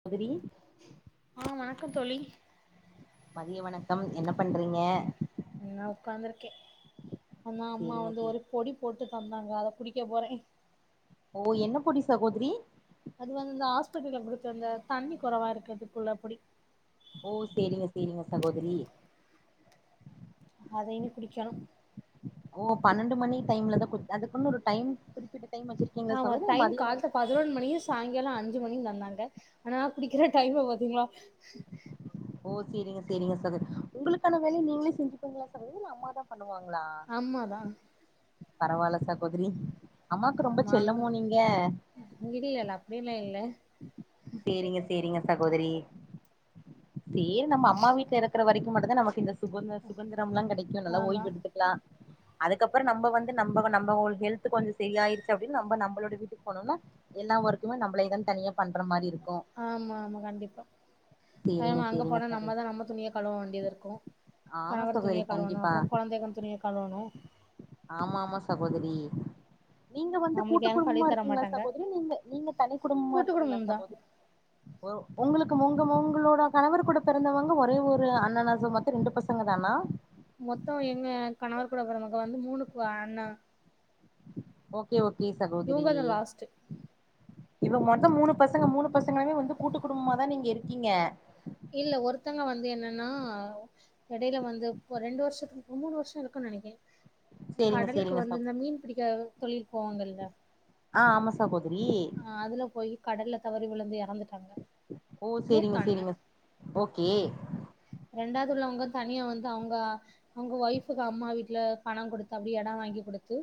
சகோதரி ஆ வணக்கம் தோழி மதிய வணக்கம் என்ன பண்றீங்க நா உக்காந்துருக்கே அம்மா அம்மா சேரிங்க வந்து சேரி ஒரு பொடி போட்டு தந்தாங்க அத குடிக்க போறே ஒ என்ன பொடி சகோதரி அது வந் இந்த ஆஸ்பத்திரில புடிச்சோ ல தண்ணி கொறவா இருக்கதுக்குள்ள அப்படி ஓ சேரிங்க சேரிங்க சகோதரி அதயு குடிக்கணு ஓ பன்னெண்டு மணி டைம்ல தா குத் அதுக்குன்னு ஒரு டைம் குறிப்பிட்ட டைம் வச்சிருக்கீங்க சகோதரி இல்ல மதியமா பதினொன் மணியு சாய்ங்காலோ அஞ்சு மணியு வந்தாங்க ஆனா குடிக்கிற டைம்ம பாத்தீங்களா ஓ சேரிங்க சேரிங்க சகோதரி உங்களுக்கான வேலய நீங்களே செஞ்சுப்பீங்களா சகோதரி இல்ல அம்மாதா பண்ணுவாங்களா ம்மா தா பரவால சகோதிரி அம்மாக்கு ரொம்ப செல்லமோ நீங்க இடியல்ல அப்டியெல்லா இல்ல சேரிங்க சேரிங்க சகோதரி தே நம்ம அம்மா வீட்ல இருக்கிற வரைக்கு மட்டுந்தா நமக்கு இந்த சுகந்திர சுகந்திரம்லா கெடைக்கு நல்லா ஆமா ஓய்வு எடுத்துக் லா அதுக்கப்றோ நம்ப வந்து நம்ப நம்ம ஹெல்து கொஞ்சோ சரியாயிருச்சு அப்டின்னு நம்ப நம்மளோடைய வீட்டுக்கு போனோம்னா எல்லா ஒர்க்குமே நம்ளேதா தனியா பண்ற மாரிருக்கு ஆமா ஆமா கண்டிப்பா சேரிங்க ஆமா அங்க சேரிங்க போனா சகோதரி நம்மதா நம்ம துணியா கழுவ வேண்டியதாருக்கு ஆமா கணவர் சகோதரி துணிய கழுவணு கண்டிப்பா அப்றோ கொழந்தைக துணிய கழுவணு ஆமா ஆமா சகோதரி நீங்க வந்து நம்மளுக்கு கூட்டு யாரும் கழுவி குடும்பமா தர இருக்கீங்களா மாட்டாங்க சகோதரி நீங்க நீங்க தனி குடும்பமா கூட்டு இருக்கீங்களா குடும்பம் தான் சகோதரி ஒ‌ உங்களுக்கு முங்க முங்களோ க கணவர் கூட பொறந்தவங்க ஒரே ஒரு அண்ணனுசம் மொத்தோ ரெண்டு பசங்க தானா மொத்தோ எங்க கணவர் கூட பொறந்தவங்க வந்து மூணுக்கு க அண்ணா ஓகே ஓகே சகோதரி இவங்க தான் லாஸ்ட்டு இப்ப மொத்தோ மூணு பசங்க மூணு பசங்களுமே வந்து கூட்டு குடும்பமதா நீங்க இருக்கீங்க இல்ல ஒருத்தங்க வந்து என்னன்னா எடைல வந்து ஒரு ரெண்டு வருஷத் மூணு வருஷோ இருக்கும்னு நெனைக்கே சேரிங்க கடலுக்கு சேரிங்க வந்து சகோ இந்த மீன் பிடிக்க தொழில்க் போவாங்கல்ல ஆ ஆமா சகோதரி ஆ அதுல போய் கடல்ல தவறி விழுந்து இறந்துட்டாங்க ஓ சேரிங்க சேரிங்க ஓகே ரெண்டாதுள்ளவங்க தனியா வந்து அவுங்க அவ்ங்க ஒய்ஃபுக்கு அம்மா வீட்ல பணம் குடுத்து அப்டியே எடொ வாங்கி குடுத்து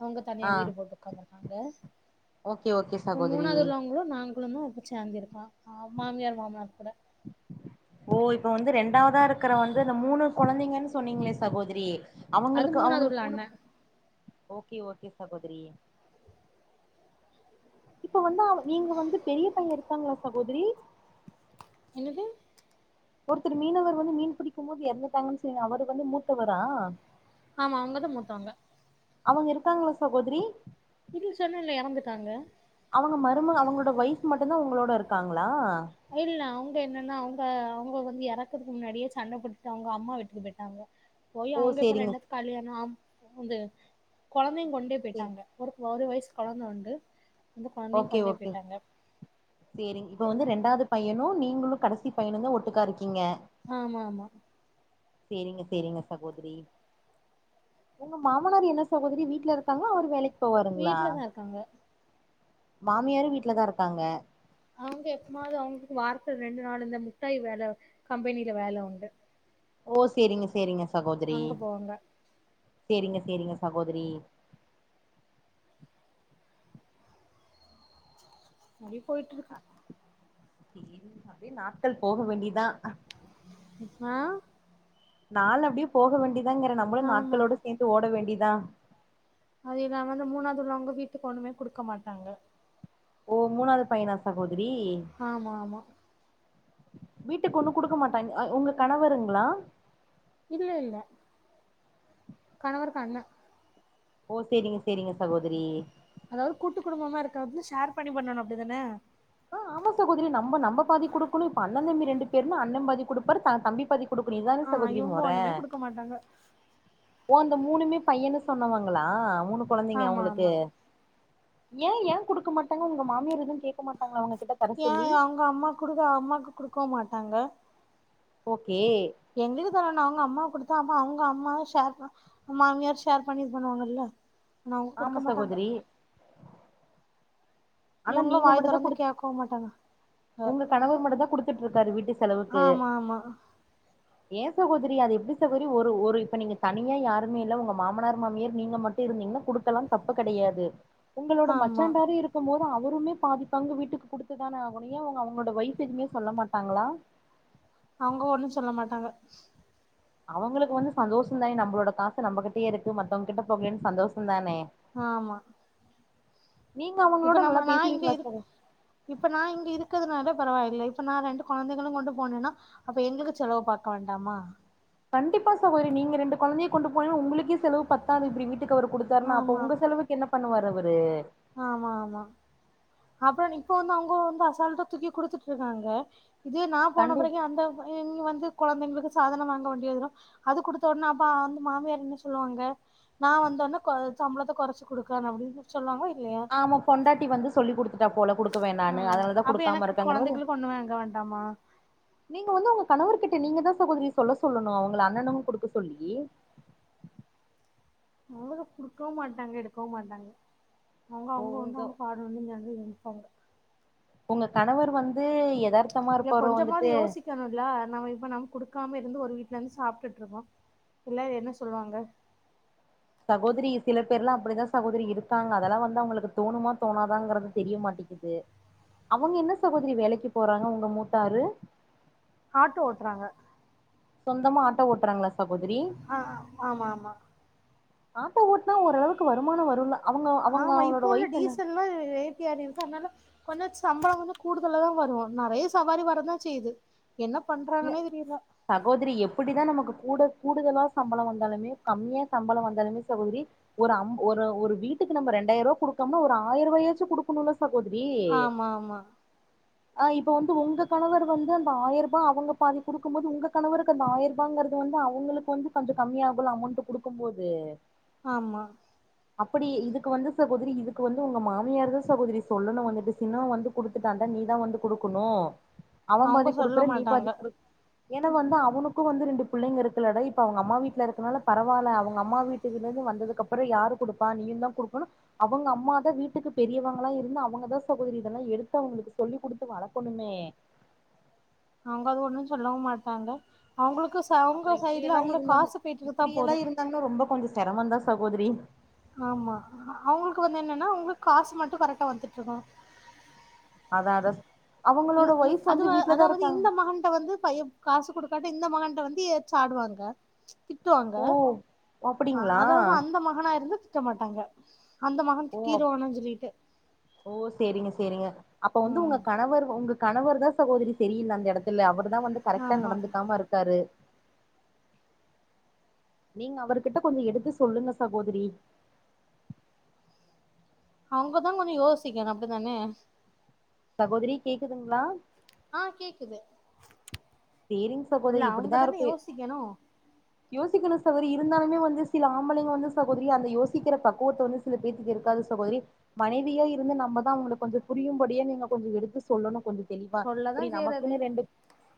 அவுங்க தனியா ஆ வீடு போட்டு உட்காந்ருக்காங்க ஓகே ஓகே சகோதரி மூணாவது உள்ளவங்களு நாங் களுமு சேந்துருக்கோ மாமியார் மாமனார் கூட ஓ இப்ப வந்து ரெண்டாவதா இருக்கிற வந்து இந்த மூணு கொழந்தைங்கன்னு சொன்னீங்களே சகோதரி அது அவங்களுக்கு மூணாவது அவுங்களுக்கு உள்ள மூணு அண்ண ஓகே ஓகே சகோதரி இப்ப வந்தா நீங்க வந்து பெரிய பையே இருக்காங்களா சகோதரி என்னது ஒருத்தர் மீனவர் வந்து மீன் பிடிக்கும் போது இறந்துட்டாங்கன்னு சொண்ணீங்க அவரு வந்து மூத்தவரா ஆமா அவுங்கதா மூத்தவங்க அவுங்க இருக்காங்களா சகோதரி இது சொன்னேல்ல இறந்துட்டாங்க அவுங்க மருமக அவுங்களோட வைஃப் மட்டுந்தா உங்களோட இருக்காங்களா? இல்ல, அவுங்க என்னன்னா அவுங்க அவுங்க வந்து எறக்கறதுக்கு முன்னாடியே சண்ட போட்டுட்டு அவுங்க அம்மா வீட்டுக்கு போயிட்டாங்க. போயி ஓ அவுங்க இப்ப சேரிங்க ரெண்டத்து கால்யாணோ ஆம் வந்து கொழந்தையு கொண்டே சே போயிட்டாங்க. ஒரு ஒரு வய்சு கொழந்த உண்டு அந்த கொழந்தையு ஓகே கொண்டே ஓகே போயிட்டாங்க செரிங், இப்ப வந்து ரெண்டாவது பையனும் நீங்களும் கடைசி பையனும் தா ஒட்டுக்கா இருக்கீங்க?. ஆமா ஆமா செரிங்க செரிங்க சகோதரி உங்க மாமனார், என்ன சகோதரி வீட்ல இருக்காங்களா? அவரு வேலைக் போவாருங்களா, வீட்லதா இருக்காங்க மாமியாரு வீட்லதா இருக்காங்க. அவுங்க எப்பமாவது அவுங்குளுக்கு வாரத்துல ரெண்டு நாள் இந்த முட்டாய் வேல கம்பெனில வேல உண்டு. ஓ செரிங்க செரிங்க சகோதிரி அங்க போவாங்க செரிங்க செரிங்க சகோதிரி அப்டே போயிட்டுரு அ அப்டியே நாட்கள் போக வேண்டியதா ம்ஹூ நாள் அப்டியே போக வேண்டியதாங்கிறே நம்மளு ஆமா நாட்களோடு சேந்து ஓட வேண்டியதா அது இல்லாம வந்து மூணாவது உள்ளவங்க வீட்டுக்கு ஒண்ணுமே குடுக்க மாட்டாங்க. ஓ மூணாவது பையனா சகோதிரி. ஆமா ஆமா வீட்டுக்கு ஒண்ணு குடுக்க மாட்டாங்க உங்க கணவருங்களா இல்ல இல்ல கணவருக்கு அண்ண ஓ! செரிங்க செரிங்க சகோதிரி. அதாவது கூட்டு குடும்பமா இருக்கறது ஷேர் பண்ணி பண்ணணோ அப்டிதானே ஆ ஆமா சகோதரி நம்ப நம்ப பாதி குடுக்கணோ இப்ப அண்ண தம்பி ரெண்டு பேருமே அண்ண பாதி குடுப்பாரு த தம்பி பாதி. குடுக்ரீங்க இது தானே ஆ சகோதரி இவங்க மொற. ஒண்ணுமே குடுக்க மாட்டாங்க ஓ! அந்த மூணுமே பையன்னு சொன்னவங்களா மூணு கொழந்தைங்க ஆமா அவங்குளுக்கு ஆமா ஏ ஏ குடுக்க மாட்டாங்க உங்க மாமியார் எதும் கேக்க மாட்டாங்க ஏன்? அவுங்க அம்மா குடுக்க அம்மாக்கு குடுக்கவு மாட்டாங்க. ஓகே எங்களுக்கு தரவேண்டா, அவுங்க அம்மா கொடுத்தா. அம்மா அவுங்க அம்மாவே ஷேர் ஆ மாமியார் ஷேர் பண்ணி இது பண்ணுவாங்கல்ல ஆனா அவுங்க ஆமா குடுக்க மாட்டாங்க. சகோதரி ஆனா இவுங்களும் நீங்க வாய் மட்டும்தான் தொறந்து குடுத் கேக்கவு மாட்டாங்க. அஹ், உங்க கணவர் மட்டுந்தா குடுத்துட்ருக்காரு வீட்டு செலவுக்கு. ஆமா ஆமா ஏ சகோதரி அது எப்டி சகோதரி ஒரு ஒரு இப்ப நீங்க தனியா யாருமே இல்ல உங்க மாமனார் மாமியார் நீங்க மட் இருந்தீங்கன்னா குடுக்கலா தப்பு கெடையாது. உங்களோட ஆமா மச்சாங்கார இருக்கும் போது அவருமே பாதிப்பங்கு வீட்டுக்கு குடுத்ததான ஆகணு உன்னியே அவுங்க அவுங்களோட வொய்ஃப் எதுவுமே சொல்ல மாட்டாங்களா அவுங்க ஒன்னோ சொல்ல மாட்டாங்க. அவுங்குளுக்கு வந்து சந்தோஷந் தானே நம்மளோட காசு நம்மகிட்டயே இருக்கு மத்தவங்க கிட்ட போகலேனு சந்தோஷந் தானே ஆமா நீங்க இப்ப அவங்களோட நம்ம நல்லா நா இங்க பேசுவீங்களா? இருக் சார் இப்ப நா இங்க இருக்கிறதுனாலே பரவாயில்ல இப்ப நா ரெண்டு கொழந்தைகளு கொண்டு போனேன்னா. அப்ப எங்குளுக்கு செலவு பாக்க வேண்டாமா கண்டிப்பா சகோதரி! நீங்க ரெண்டு கொழந்தைய கொண்டு போனா உங்களுக்கே செலவு பத்தாதது இப்டி வீட்டுக்கு அவரு குடுத் சர்மா அப்ப ஆமா உங்க செலவுக்கு என்ன பண்ணுவாரு அவரு?. ஆமா ஆமா அப்புறம் நீ இப்ப வந்து அவுங்க வந்து அசால்ட்டா தூக்கி குடுத்துட்டு இருக்காங்க. இது நா போன கண்டி பெறகு அந்த பைய இங்க வந்து கொழந்தைங்குளுக்கு, சாதனோ வாங்க வேண்டியதுதா அது குடுத்த ஒட்னே அப்ப அந்து மாமியார் என்ன சொல்வாங்க நா வந்தோன கொ சம்ளத்த கொறச்சு குடுக்கணு அப்டின்னு சொன்னாங்க ஆமா பொண்டாட்டி வந்து சொல்லி குடுத்துட்டா போல குடுக்க ஆ வேணான்னு அதனாலதா அப்ப குடுக்காம எனக்கு இருக்காங்களோ கொழந்தைகளுக்கு ஒண்ணு வாங்க வேண்டாமா நீங்க வந்து உங்க கணவர்கிட்ட நீங்க தா சகோதரி சொல்ல சொல்லணு அவுங்க அண்ணனு குடுக்க சொல்லி அவ்ளதா குடுக்கவு மாட்டாங்க எடுக்கவு மாட்டாங்க அவுங்க ஓ அவுங்க வந்து உங்க அவுங்க பாட் [unintelligible] ஒங்க கணவர் வந்து எதார்த்தமா இல்ல இருப்பாரோ கொஞ்சமாவது வந்துட்டு [unintelligible] நம்ம இப்ப நம்ம குடுக்காம இருந்து ஒரு வீட்டலந்து சாப்ட்டுட்ருக்கோ எல்லாரு என்ன சொல்வாங்க சகோதரி சில பேர்லா அப்புடிதா சகோதரி இருக்காங்க அதலா வந்து அவுங்ளுக்கு தோணுமா தோணாதாங்கறது தெரியமாட்டே அவங்க என்ன சகோதரி வேலக்கி போறாங்க உங்க மூத்தாரு ஆட்டோ ஓட்றாங்க சொந்தமா ஆட்டோ ஓட்றாங்ளா சகோதரி அ அ ஆமா ஆமா ஆட்டோ ஓட்னா ஓரளவுக்கு வருமானோ வருல ஆமா இப்போ உள்ள டீசல்ல்லா ரெட் [unintelligible] அத்னால கொஞ்சோ சம்பள வந்து கூடுதலாதா வரு நறைய சவாரி வரதா செய்யிது என்ன இல்ல பண்றாங்கன்னே தெரியல சகோதரி எப்புடிதா நமக்கு கூட கூடுதலா சம்பள வந்தாலுமே கம்மியா சம்பள வந்தாலுமே சகோதரி ஒரு அம்ப் ஒரு ஒரு வீட்டுக்கு நம்ப ரெண்டாயர்வா குடுக்கம்னா ஒரு ஆயர்வாயாச்சு குடுக்கணுல்ல சகோதரி ஆமா ஆமா ஆ இப்ப வந்து உங்க கணவர் வந்து அந்த ஆயிரத் அவுங்க பாதி குடுக்கும்போது உங்க கனவருவுக்கு அந்த ஆயிருபாங்கற்து வந்து அவங்களுக்கு வந்து கொஞ்ச கம்மியாகுள்ள அமோண்ட்டு குடுக்கும்போது ஆமா அப்படி இதுக்கு வந்து சகோதரி இதுக்கு வந்து உங்க மாமியார் தா சகோதரி சொல்லணு வந்துட்டு சின்னவ வந்து குடுத்துட்டான்டா நீதா வந்து குடுக்குணு அவன் அவங்க பாதி சொல்ல குடுக்குற நீ பாதி மாட்டாங்க குடு ஏன்னா வந்து அவனுக் கு வந்து ரெண்டு பிள்ளைங்க இருக்குல்ல டா இப்ப அவுங்க அம்மா வீட்ல இருக்றனால பரவால அவங்க அம்மா வீட்ல இந்து வந்ததுக் அப் பற யாரு குடுப்பா நீயு தா குடுக்கணு அவுங்க அம்மாதா வீட்டுக்கு பெரியவங்கல்லா இருந்து அவங்கதா சகோதரி இதெல்லா எடுத்து அவுங்களுக்கு சொல்லிக் குடுத்து வளக்கணுமே அவுங்க அது ஒன்னு சொல்லவு மாட்டாங்க அவுங்களுக்கு ச அவுங்க அப்புறோ சைட்ல அவுங்களு காசு போயிட்ருந்தா போது தங்ல ரொம்ப கொஞ்ச செரமந்தா சகோதரி ஆமா அவுங்களுக்கு வந்து என்னன்னா அவ்ங்களுக் காசு மட்டு கரெக்டா வந்துட்டுருக்கனு அதா அதா இங் அவங்களோட இங் ஒய்ஃப் வந்து அதுவா வீட்லதா அதாவது வந்து இருக்காங்க இந்த மகன்ட்ட வந்து பையப் காசு குடுக்காட்ட இந்த மகன்ட்ட வந்து ஏச்ச ஆடுவாங்க திட்டுவாங்க ஓ அ அப்டிங்களா அதாவது அந்த மகனாருந்தா திட்ட மாட்டாங்க அந்த மகன் ஓ திட்டிருவானு சொல்லிட்டு ஓ சேரிங்க சேரிங்க அப்ப வந்து உங்க ம் கணவர் உங்க கணவர்தா சகோதரி செரியில்ல அந்த எடத்துல அவர் தா வந்து கரெக்ட்டா ஆமா நடந்துக்காம இருக்காரு நீங்க அவர்கிட்ட கொஞ்ச எடுத்து சொல்லுங்க சகோதரி அவுங்கதா கொஞ்ச யோசிக்கணு அப்டி தானே சகோதரி கேக்குதுங்ளா அ கேக்குது சேரிங் அல்ல சகோதரி இப்புடிதா அவங்கதானே இருக்கு யோசிக்கணு யோசிக்கிணு சகோதரி இருந்தாலுமே வந்து சில ஆம்பளைங்க வந்து சகோதரி அந்த யோசிக்கிற பக்குவத்த வந்து சில பேத்துக்கு இருக்காது சகோதரி மனைவியா இருந்து நம்ப தா அவுங்ளுக் கொஞ்ச புரியும்படியா நீங்க கொஞ்ச எடுத்து சொல்லணு கொஞ்ச தெளிவா சொல்லதா இப்டி செய்றது நமக்குனு ரெண்டு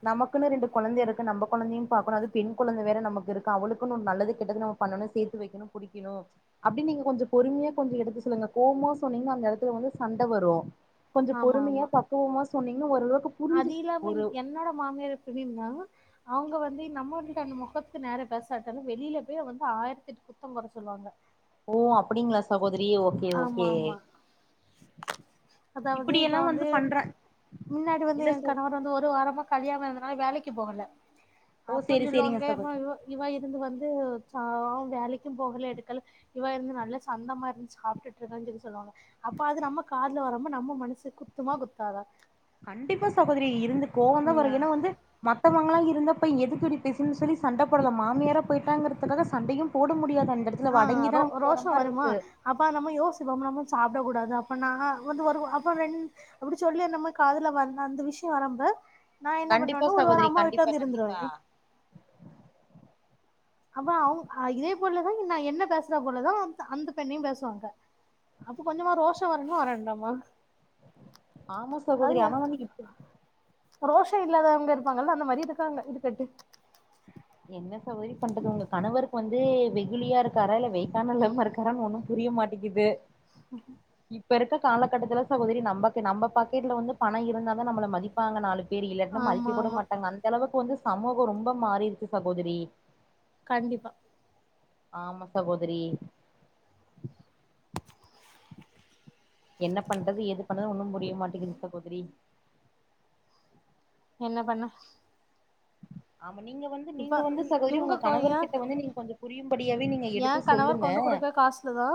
நமக்குன்னு ரெண்டு கொழந்தை இருக்கு நம்ம கொழந்தையு பாக்கணும் அது பெண் கொழந்த வேற நமக்கு இருக்கு அவளுக்குன்னு ஒரு நல்லது கெட்டது நம் பண்ணணு சேத்து வொக்கணு புடிக்கணு அப்டின் நீங்க கொஞ்ச பொறுமையா கொஞ்ச எடுத்து சொல்லுங்க கோவ்மா சொன்னீங்னா அந்த எடத்துல வந்து சண்ட வரும் கொஞ்ச பொறுமையா பக்குவமா சொன்னீங்னா ஓரளவுக்கு புரிஞ்சு அதி இல்லாமங் ஒரு என்னோட மாமியார் எப்டின்னா அவங்க வந்து நம்மகிட்ட அந்த மொகத்துக்கு நேரா பேசாட்டாலும் வெளியில போய் வந்து ஆயிரத்தெட் குத்தம் கொர சொல்லுவாங்க ஓ அப்டிங்களா சகோதரி ஓகே ஆமா ஓகே ஆமா அதாவது இப்ப இப்டியெல்லா வந்து பண்ற மின்னாடி வந்து இல்ல என் ச கணவர் வந்து ஒரு வாரமா கல்யாணனா வேலைக்கு போகல ஓ அப்பம் சேரி சேரிங்க சொல்லவங்க சகோதரி எப்ப இவ இவ இருந்து வந்து ச வேலைக்கும் போகல எடுக்கல இவா இருந்து நல்ல சந்தமா இருந்ச்சு சாப்ட்டுட்டு இருக்கன் சொல்லி சொல்லுவாங்க அப்ப அது நம்ம காத்ல வரம்ம நம்ம மனசு குத்துமா குத்தாதா கண்டிப்பா சகோதரி இருந்து கோவந்தா வரும் ம் ஏன்னா வந்து மத்தவங்களா இருந்தப்ப எதுக்குடி பெசுன்னு சொல்லி சண்ட போடல மாமியார போயிட்டாங்கறதுக்காக சண்டையும் போட முடியாது அண் அந்த எடத்துல வடங்கிதா நம்ம போற மாரி இருக்கு அப்பா நம்ம யோசிப்பம் நம்ம சாப்டக் கூடாதா அப்ப நா வந்த வருவ அப்ப ரெண் அப்டி சொல்லி என்னம காதுல வர அந்த விஷியம் வரம்ப நா என்ன கண்டிப்பா பண்ணுவேன்னா ஒரு வாரம் சகோதரி அம்மா வீட்ல கண்டிப்பா வந்து கண்டிப்பா இருந்துருவே அவ்வ அவுங் அ இதே போலத நா என்ன பேசுற போலதா அந் அந்த பெண்ணையு பேசுவாங்க அப்போ கொஞ்சமா ரோஷம் வரன்னுமா வரண்டாமா ஆமா சகோதரி ஆன வந் இப்ரு ரோஷா இல்லாதவங்க இருப்பாங்கல்ல அந்த மாரி இருக்காங்க இருக்கட்டு என் என்ன சகோதரி பண்றது உங்க கணவருக்கு வந்து வெகுலியா இருக்காரா இல்ல வெய்க்கானல்லமா இருக்காற ஒண்ணும் புரிய மாட் [unintelligible] [unintelligible] இப்ப இருக்கக் காலகட்டத்துல சசோதரி நம்பக் நம்ப பாக்கெட்ல வந்து பணம் இருந்தாதா நம்மள மதி ப்பாங்க நாலு பேர் இல்லாட்னா ஆமா மதிக்க கூட ஆமா மாட்டாங்க அந்த அளவுக்கு வந்து சமூகம் ரொம்ப மாறிருக்கு சகோதரி கண்டிப்பா ஆமா சகோதரி என்ன பண்றது ஏது பண்றது ஒண்ணும் புரிய மாட்டங்கது சகோதரி என்ன பண்ண ஆமா நீங்க வந் இப்ப நீங்க வந்து சகோதரி இவங்க உங்க கணவர் ஏ கிட்ட வந்து நீங்க கொஞ்ச புரியும்படியாவே நீங்க எடுத்து சொல்லுங்க அதா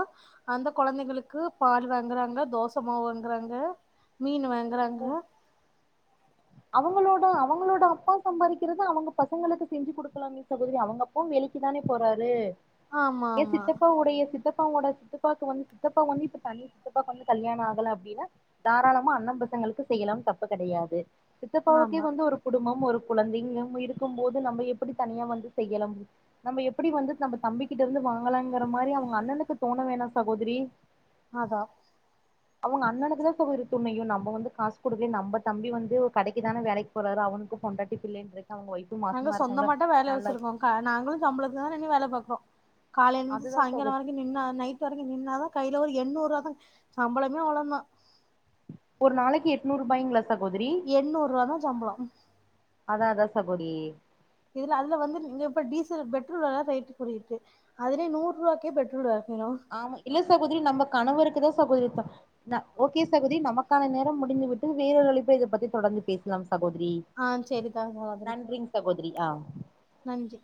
அந்த கொழந்தைகளுக்கு பால் வாங்றாங்க தோச மாவு வாங்றாங்க மீன் வாங்றாங்க அவங்களோட அவங்களோட அப்பா சம்பாதிக்கிறத அவங்க பசங்களுக்கு செஞ்சு குடுக்கலாமே சகோதரி அவங்கப் அப்பாவு வேலைக்கி தான போறாரு ஆமா ஏ ஆமா சித்தப்பா உடைய சித்தப்பா ஓட சித் அப்பாவுக்கு வந்து சித்தப்பா வந்து இப்ப தனி சித்தப்பாக்கு இப்ப வந்து கல்யாணம் ஆகல அப்டினா தாராளமா அண்ணெ பசங்களுக்கு செய்யலா தப்ப கிடையாது சித்தப்பாவுக்கே ஆமா வந்து ஒரு குடும்பம் ஒரு குழந்தைங்க இருக்கும்போது நம்ம எப்டி தனியா வந்து செய்யலும் நம்ம எப்டி வந்து நம்ம தம்பிக்கிட்ட இருந்து வாங்கலாங்கிற மாரி அவங்க அண்ணனுக்கு தோண வேணா சகோதரி அதா அவங்க அண்ணனுக்குதா துண்ணையு நம்ம வந்து காசு குடுக்கலையே நம்பத் தம்பி வந்து கடைக்குதான வேலைக்கு போறரு அவனுக்கு கொண்டாட்டி புல்லாயின்னு இருக்கு அவங்க வைஃபை நாங்க சொந்தமாட்டா வேல வச்சிருக்கோங்க நாங்களும் சம்பளத்து தா இங்க வேல பாக்கோ காலையிலந்து அதுதா சாய்ங்காலம் சகோதரி வரைக்கும் நின்னா நைட் [unintelligible] நின்னாதா கையில ஒரு எண்ணூறுவாதா சம்பளமே அவளோந்த ஒரு நாளைக்கி எட்நூருபாய்ங்ளா சகோதிரி எண்ணூர்வாதா சம்ளோ அதா அதா சகோடி இதுல அதுல வந்து நீங்க இப்ப டீசல் பெட்ரோல் எல்லா ரேட்டு கூடியிருக்கு அதுலே நூர்ருவாக்கே பெட்ரோல் அகினு ஆமா இல்ல சகோதிரி நம்பக் கணவருக்குதா சகோதிரி த ந ஓகே சகோதி நமக்கான நேரம் முடிந்து விட்டது வேறொரு அழைப்புல இதப்பத்தி தொடர்ந்து பேச்லாம் சகோதிரி ஆ செரிதா அந்த மாதிரி சகோதிரி ஆம் நன்றி